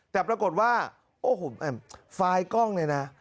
แต่ปรากฏว่าโอ้โฮไอ้มไฟล์กล้องเลยนะ